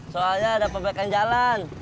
soalnya ada pembaikan jalan